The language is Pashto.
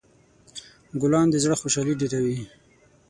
ګلان د زړه خوشحالي ډېروي.